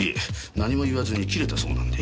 何も言わずに切れたそうなんで。